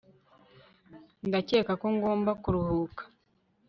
ndakeka ko ngomba kuruhuka